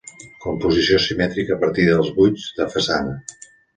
Composició simètrica a partir dels buits de façana.